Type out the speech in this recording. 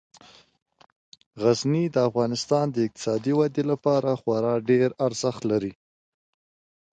غزني د افغانستان د اقتصادي ودې لپاره خورا ډیر ارزښت لري.